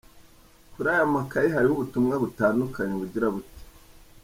Kuri aya makayi hariho ubutumwa butandukanye buragira buti:".